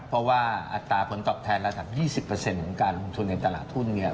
เพราะว่าอัตราผลตอบแทนระดับ๒๐ของการลงทุนในตลาดทุนเนี่ย